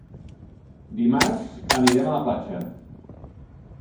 Dimarts anirem a la platja.